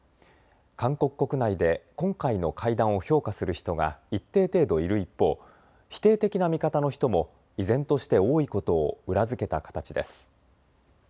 韓国国内で今回の会談を評価する人が一定程度いる一方、否定的な見方の人も依然として多いことを裏付けた形です。